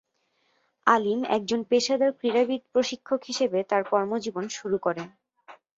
আলীম একজন পেশাদার ক্রীড়াবিদ প্রশিক্ষক হিসাবে তার কর্মজীবন শুরু করেন।